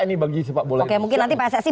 ini bagi si pak bola ini oke mungkin nanti pak ssi